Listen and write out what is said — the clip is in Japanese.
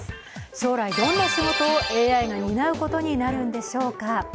将来、どんな仕事をＡＩが担うことになるのでしょうか。